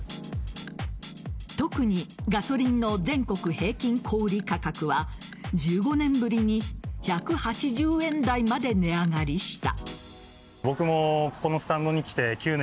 特にガソリンの全国平均小売価格は１５年ぶりに１８０円台まで値上がりした。